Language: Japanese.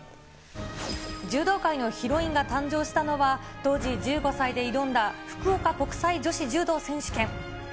柔道界のヒロインが誕生したのは、当時１５歳で挑んだ福岡国際女子柔道選手権。